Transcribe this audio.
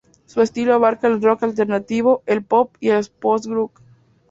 Su estilo abarca el rock alternativo, el pop y el post-grunge.